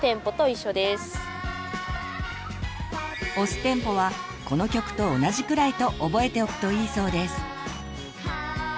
押すテンポはこの曲と同じくらいと覚えておくといいそうです。